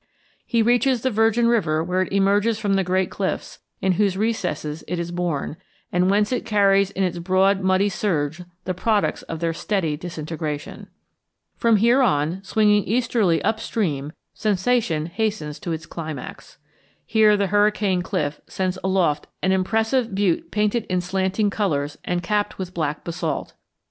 He reaches the Virgin River where it emerges from the great cliffs in whose recesses it is born, and whence it carries in its broad muddy surge the products of their steady disintegration. From here on, swinging easterly up stream, sensation hastens to its climax. Here the Hurricane Cliff sends aloft an impressive butte painted in slanting colors and capped with black basalt.